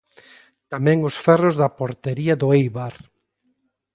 Tamén os ferros da portería do Eibar.